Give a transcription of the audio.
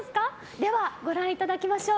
ではご覧いただきましょう。